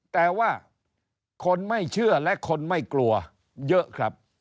แต่ว่าคนไม่เชื่อและคนไม่กลัวเยอะครับ